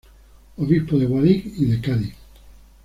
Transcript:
Obispo de Guadix y de Cádiz.